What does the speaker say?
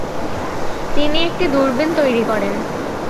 তিনি একটি দূরবীন তৈরি করেন।